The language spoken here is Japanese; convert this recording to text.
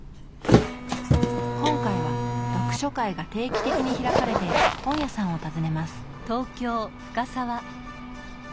今回は読書会が定期的に開かれている本屋さんを訪ねます。